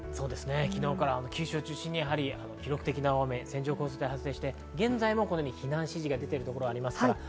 昨日から九州を中心に記録的な大雨、線状降水帯が発生して、現在も避難指示が出ているところがあります。